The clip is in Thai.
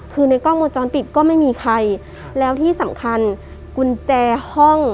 คือในกล้องวงจรปิดก็ไม่มีใครแล้วที่สำคัญกุญแจห้อง